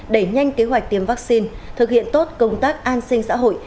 đẩy nhanh kế hoạch tiêm vaccine thực hiện tốt công tác an sinh xã hội